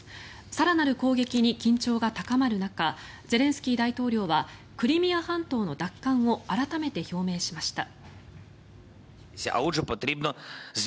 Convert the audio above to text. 更なる攻撃に緊張が高まる中ゼレンスキー大統領はクリミア半島の奪還を改めて表明しました。